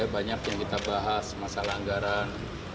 banyak yang kita bahas masalah anggaran